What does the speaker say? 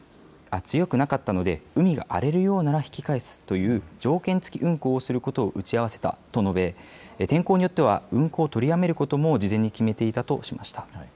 さらに風や波が強くなかったので海が荒れるようなら引き返すという条件付き運航をすることを打ち合わせたと述べ天候によっては運航を取りやめることも事前に決めていたと示しました。